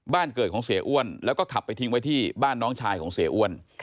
บ้านเกิดของเสียอ้วน